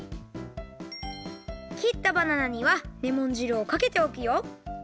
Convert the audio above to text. きったバナナにはレモン汁をかけておくよ。